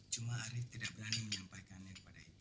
cuma arief tidak berani menyampaikan ini pada ibu